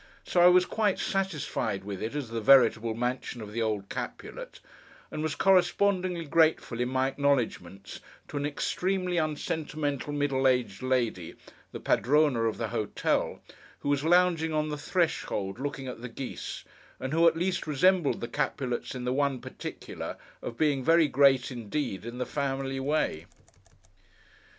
So I was quite satisfied with it, as the veritable mansion of old Capulet, and was correspondingly grateful in my acknowledgments to an extremely unsentimental middle aged lady, the Padrona of the Hotel, who was lounging on the threshold looking at the geese; and who at least resembled the Capulets in the one particular of being very great indeed in the 'Family' way.